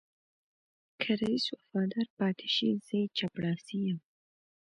که رئيس وفادار پاتې شي زه يې چپړاسی یم.